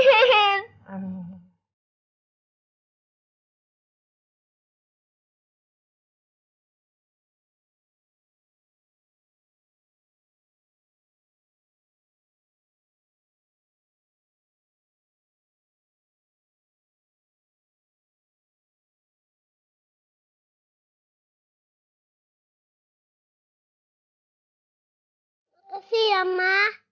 terima kasih ya ma